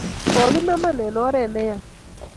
kakinaman eng oree ne ya